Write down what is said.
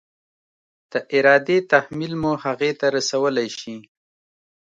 د ارادې تحمیل مو هغې ته رسولی شي؟